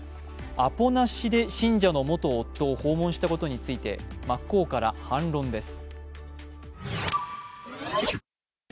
アポなしで信者の元夫を訪問したことについて真っ向から反論です。